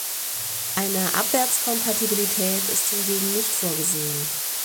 Eine Abwärtskompatibilität ist hingegen nicht vorgesehen.